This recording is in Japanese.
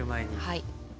はい。